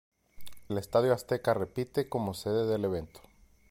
El Estadio Azteca repite como sede del evento.